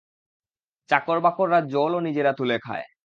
চাকরবাকররা জলও নিজেরা তুলে খায়।